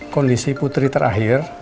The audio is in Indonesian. kondisi putri terakhir